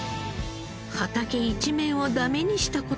畑一面をダメにした事も。